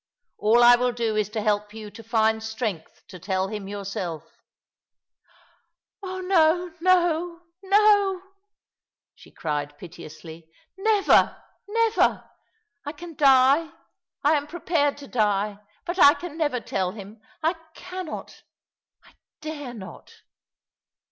All I will do is to help you to find strength to tell him yourself." " Oh no, no, no !" she cried piteously. *' Never ! never ! I can die, I am prepared to die; but I can never tell hun— I cannot, I dare not."